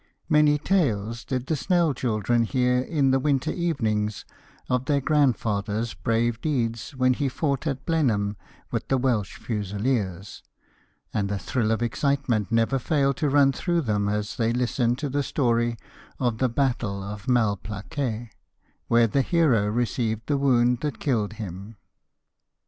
Many tales did the Snell children hear in the winter evenings of their grandfather's brave deeds when he fought at Blenheim with the Welsh Fusiliers, and a thrill of excitement never failed to run through them as they listened to the story of the battle of Malplaquet, where the hero received the wound that killed him.